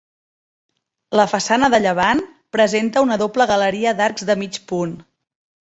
La façana de llevant presenta una doble galeria d'arcs de mig punt.